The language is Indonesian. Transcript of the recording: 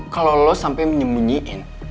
kalau lo sampai menyembunyiin